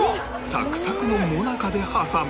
サクサクの最中で挟む